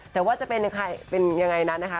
แต่ว่าจะเป็นยังไงนั้นนะคะ